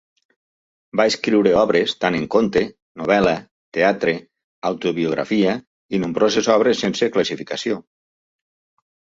Va escriure obres tant en conte, novel·la, teatre, autobiografia, i nombroses obres sense classificació.